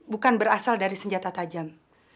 bukan berasal dari senjata tajam